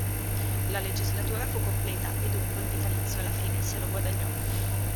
La legislatura fu completa e dunque il vitalizio, alla fine, se lo guadagnò.